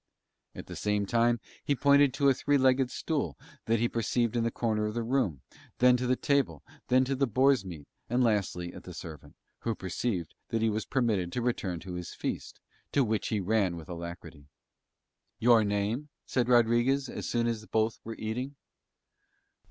At the same time he pointed to a three legged stool that he perceived in a corner of the room, then to the table, then to the boar's meat, and lastly at the servant, who perceived that he was permitted to return to his feast, to which he ran with alacrity. "Your name?" said Rodriguez as soon as both were eating.